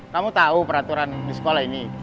kamu tahu peraturan di sekolah ini